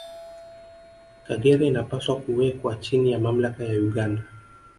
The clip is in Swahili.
Kagera inapaswa kuwekwa chini ya mamlaka ya Uganda